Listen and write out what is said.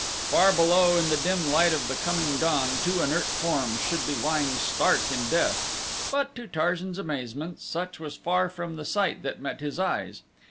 Far below, in the dim light of the coming dawn, two inert forms should be lying stark in death; but, to Tarzan's amazement, such was far from the sight that met his eyes.